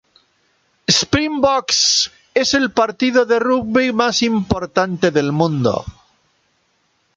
Springboks es el partido de rugby más importante del Mundo.